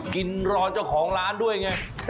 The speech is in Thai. กินรอเจ้าของร้านด้วยไง